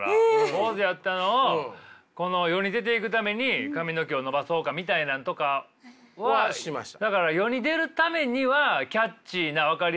坊主やったのをこの世に出ていくために髪の毛を伸ばそうかみたいなのとかは。はしました。